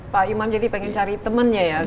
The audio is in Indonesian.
pak imam jadi pengen cari temannya ya